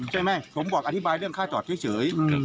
ใช่ไหมผมบอกอธิบายเรื่องค่าจอดเฉย